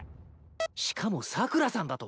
しかもサクラさんだと？